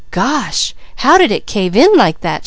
"Gosh! How did it cave in like that?"